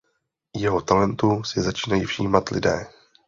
Jeho talentu si začínají všímat lidé.